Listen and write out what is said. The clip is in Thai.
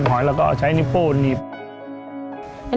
ถ้าพ่อเขาหาเจอเขาก็จะให้หนูเอามือไหนไปงมลงให้ค่ะ